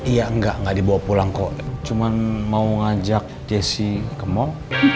iya enggak gak dibawa pulang kok cuman mau ngajak jessy ke mall